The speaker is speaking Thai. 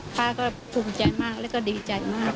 ป้าก็ภูมิใจมากแล้วก็ดีใจมาก